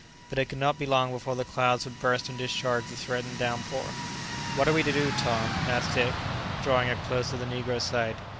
But it could not be long before the clouds would burst and discharge the threatened down pour. "What are we to do, Tom?" asked Dick, drawing up close to the negro's side.